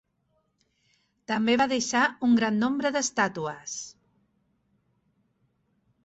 També va deixar un gran nombre d'estàtues.